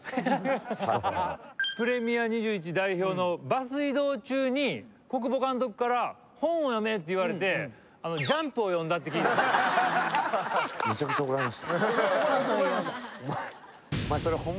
プレミア１２代表のバス移動中に小久保監督から本を読めって言われて「ジャンプ」を読んだって聞いた怒られました？